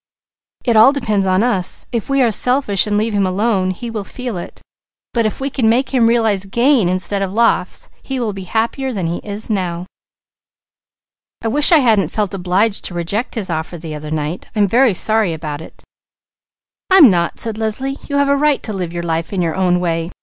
"It all depends on us. If we are selfish and leave him alone he will feel it. If we can make him realize gain instead of loss he will be happier than he is now." "I wish I hadn't felt obliged to reject his offer the other night. I'm very sorry about it." "I'm not," said Leslie. "You have a right to live your life in your own way.